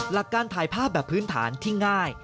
หลักการถ่ายภาพแบบพื้นฐานที่ง่าย